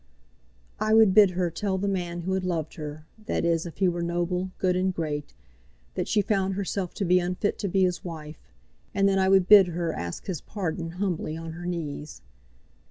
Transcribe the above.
"] "I would bid her tell the man who had loved her, that is, if he were noble, good, and great, that she found herself to be unfit to be his wife; and then I would bid her ask his pardon humbly on her knees."